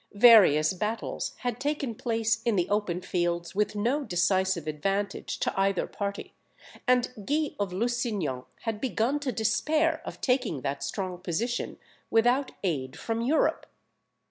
Various battles had taken place in the open fields with no decisive advantage to either party, and Guy of Lusignan had begun to despair of taking that strong position without aid from Europe.